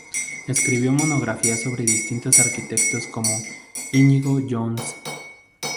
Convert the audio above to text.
Escribió monografías sobre distintos arquitectos como Íñigo Jones.